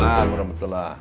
nah burung betul lah